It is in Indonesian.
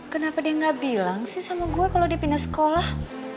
kenapa dia gak bilang sih sama gue kalo dia pindah sekolah